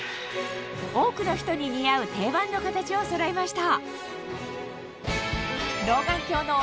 多くの人に似合うをそろえました